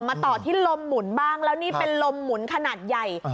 ต่อที่ลมหมุนบ้างแล้วนี่เป็นลมหมุนขนาดใหญ่